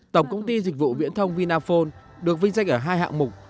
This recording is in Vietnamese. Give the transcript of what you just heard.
tổng công ty dịch vụ viễn thông vinaphone được vinh danh ở hai hạng mục